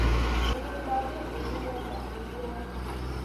Mununda vih zinimu nam midia.